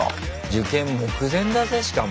受験目前だぜしかも。